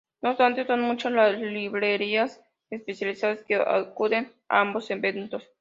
No obstante son muchas las librerías especializadas que acuden a ambos eventos.